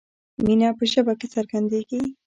مینه په ژبه کې څرګندیږي.